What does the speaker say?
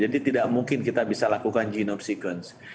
tidak mungkin kita bisa lakukan genome sequence